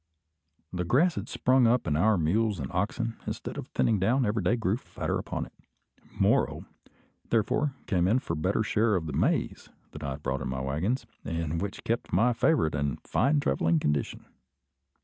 The grass had sprung up, and our mules and oxen, instead of thinning down, every day grew fatter upon it. Moro, therefore, came in for a better share of the maize that I had brought in my waggons, and which kept my favourite in fine travelling condition.